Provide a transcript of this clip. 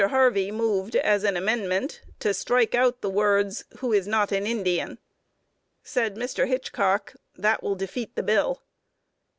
Harvey moved, as an amendment, to strike out the words "who is not an Indian." Said Mr. Hitchcock, "That will defeat the bill."